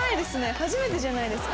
初めてじゃないですか？